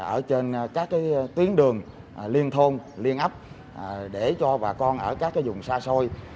ở trên các tuyến đường liên thôn liên ấp để cho bà con ở các vùng xa xôi